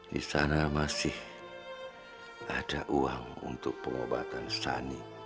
di sana masih ada uang untuk pengobatan sani